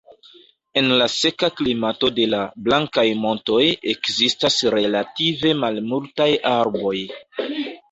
En la seka klimato de la "Blankaj montoj" ekzistas relative malmultaj arboj.